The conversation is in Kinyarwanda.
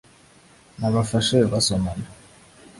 nabafashe basomana